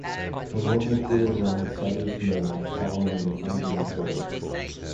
Coloma grew around Sutter's Mill following the finding of gold.